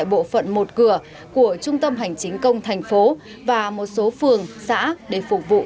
bộ phận một cửa của trung tâm hành chính công thành phố và một số phường xã để phục vụ